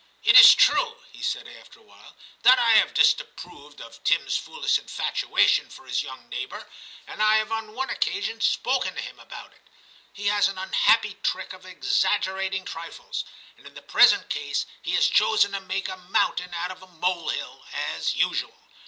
* It IS true/ he said after a while, *that I have disapproved of Tim's foolish infatuation for his young neighbour, and I have on one occasion spoken to him about it. He has an unhappy trick of exaggerating trifles, and in the present case has chosen to make a mount ain out of a molehill, as usual.